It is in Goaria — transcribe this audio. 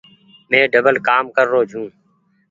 مين ڊبل ڪآم ڪر رو ڇون ۔